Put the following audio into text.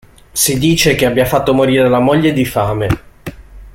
Si dice che abbia fatto morire la moglie di fame.